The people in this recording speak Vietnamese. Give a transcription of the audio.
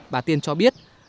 bà tiên cho biết